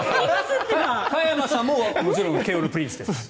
加山さんももちろん慶応のプリンスです。